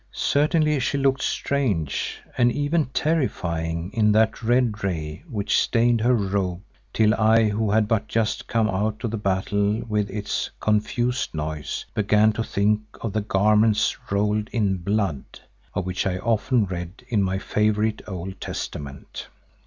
Certainly she looked strange and even terrifying in that red ray which stained her robe till I who had but just come out of battle with its "confused noise," began to think of "the garments rolled in blood" of which I often read in my favourite Old Testament.